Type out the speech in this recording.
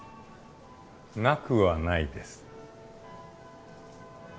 なくはないです。